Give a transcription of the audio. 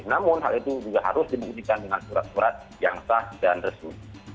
namun hal itu juga harus dibuktikan dengan surat surat yang sah dan resmi